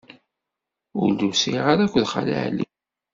Ur d-usiɣ ara akked Xali Ɛli.